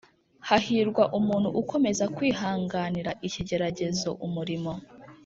Hahirwa umuntu ukomeza kwihanganira ikigeragezo Umurimo